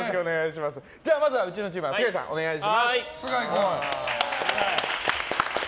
まずはうちのチームは須貝さん、お願いします。